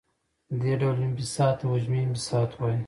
دې ډول انبساط ته حجمي انبساط وايي.